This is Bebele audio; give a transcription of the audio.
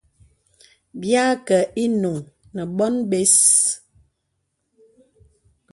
Bìa àkə īnuŋ nə bòn bə̀s.